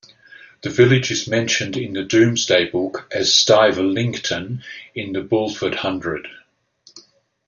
The village is mentioned in the "Domesday Book" as "Stivelincton" in the "Bulford hundred".